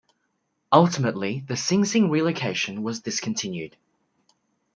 Ultimately, the Sing Sing relocation was discontinued.